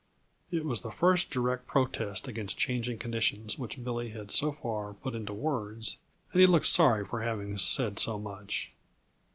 It was the first direct protest against changing conditions which Billy had so far put into words, and he looked sorry for having said so much.